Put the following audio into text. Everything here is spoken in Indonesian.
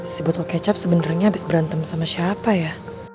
si botol kecap sebenernya abis berantem sama siapa ya